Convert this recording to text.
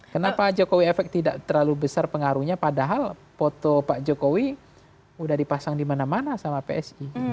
kenapa jokowi efek tidak terlalu besar pengaruhnya padahal foto pak jokowi sudah dipasang di mana mana sama psi